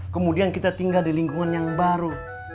kemudian kita tinggal di lingkungan yang baru